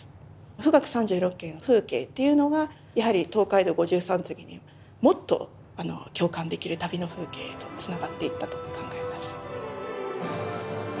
「冨嶽三十六景」の風景っていうのがやはり「東海道五拾三次」にもっと共感できる旅の風景へとつながっていったと考えます。